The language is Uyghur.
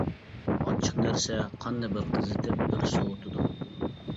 ئاچچىق نەرسە قاننى بىر قىزىتىپ بىر سوۋۇتىدۇ.